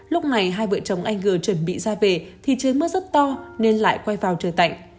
lúc này hai vợ chồng anh g chuẩn bị ra về thì trời mưa rất to nên lại quay vào trời tạnh